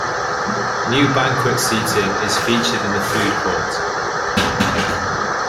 New banquet seating is featured in the food court.